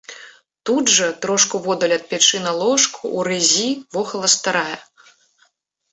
Тут жа, трошку воддаль ад печы, на ложку, у рыззі, вохала старая.